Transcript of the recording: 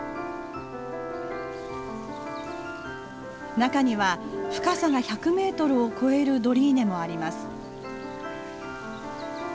中には深さが１００ｍを超えるドリーネもあります。